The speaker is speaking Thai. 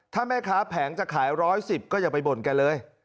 ถ้าแม่ค้าแผงจะขาย๑๑๐ก็อย่าไปบ่นแกเลย